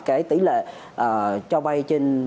cái tỷ lệ cho bay